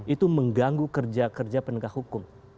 itu mengganggu kerja kerja penegak hukum